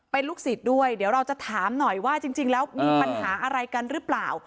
เป็นลูกศิษย์ด้วยเดี๋ยวเราจะถามหน่อยว่าจริงแล้วมีปัญหาอะไรกันหรือเปล่า